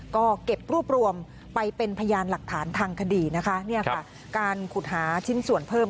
ก็เก็บรวบรวมไปเป็นพยานหลักฐานทางคดีนะคะเนี่ยค่ะการขุดหาชิ้นส่วนเพิ่ม